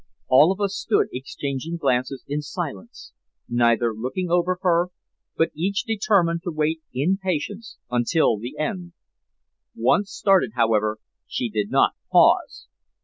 All of us stood exchanging glances in silence, neither looking over her, but each determined to wait in patience until the end. Once started, however, she did not pause.